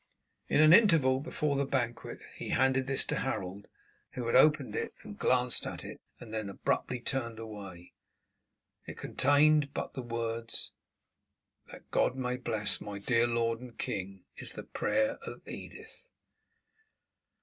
In the interval before the banquet he handed this to Harold, who had opened and glanced at it, and had then abruptly turned away. It contained but the words: "_That God may bless my dear lord and king is the prayer of Edith.